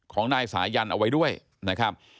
ของนายสายันเอาไว้ด้วยนะครับ